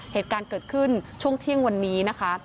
เหตุการณ์เกิดขึ้นช่วงเที่ยงวันนี้นะคะ